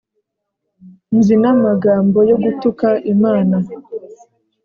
nzi n amagambo yo gutuka Imana